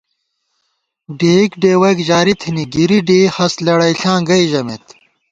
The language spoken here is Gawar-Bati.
ڈېئیک ڈېوَئیک جاری تھنی ، گِرِی ڈېئی ہست لېڑئیݪاں گئ ژمېت